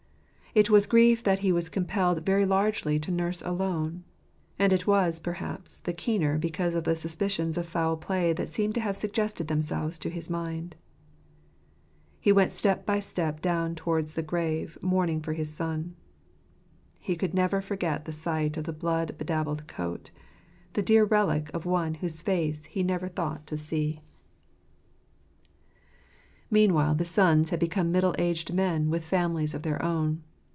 It was grief that he was compelled very largely to nurse alone ; and it was, perhaps, the keener because of the suspicions of foul play that seem to have suggested themselves to his mind. He went step by step down towards the grave "mourning for his son." He never could forget the sight of the blood bedabbled coat, the dear relic of one whose face he never thought to see. F 82 Joseph's First J it i trim to tottlj fjis fSretbMit. Meanwhile, the sons had become middle aged men, with families of their own.